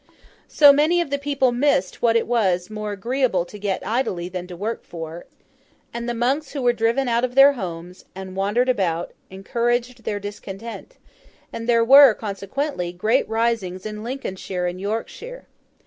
So, many of the people missed what it was more agreeable to get idly than to work for; and the monks who were driven out of their homes and wandered about encouraged their discontent; and there were, consequently, great risings in Lincolnshire and Yorkshire.